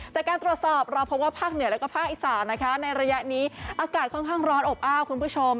จากการตรวจสอบเราพบว่าภาคเหนือแล้วก็ภาคอีสานนะคะในระยะนี้อากาศค่อนข้างร้อนอบอ้าวคุณผู้ชม